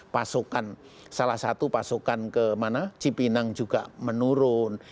pasokan salah satu pasokan ke cipinang juga menurun